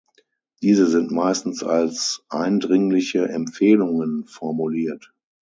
Diese sind meistens als eindringliche Empfehlungen formuliert.